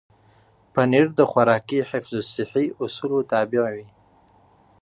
پنېر د خوراکي حفظ الصحې اصولو تابع وي.